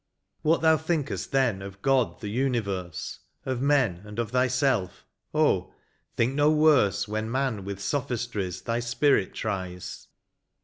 What thou think'st then, of God, the universe. Of men and of thyself, oh, think no worse When man with sophistries thy spirit tries.